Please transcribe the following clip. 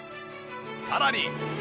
さらに。